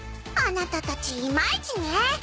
アナタたちいまいちね